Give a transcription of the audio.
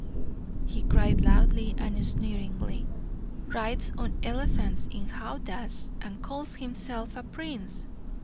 he cried loudly and sneeringly. "Rides on elephants in howdahs and calls himself a prince!